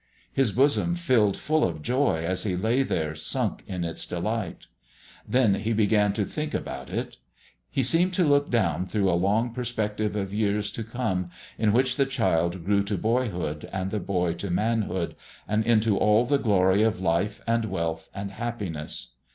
His bosom filled full of joy as he lay there sunk in its delight. Then he began to think about it. He seemed to look down through a long perspective of years to come in which the child grew to boyhood, the boy to manhood, and into all the glory of life and wealth and happiness.